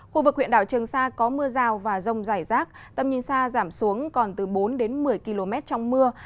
khu vực huyện đảo trường sa có mưa rào và rông rải rác tầm nhìn xa giảm xuống còn từ bốn đến một mươi km trong mưa